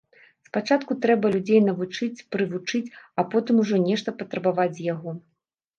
Спачатку трэба людзей навучыць, прывучыць, а потым ужо нешта патрабаваць з яго.